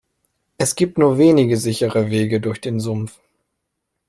Es gibt nur wenige sichere Wege durch den Sumpf.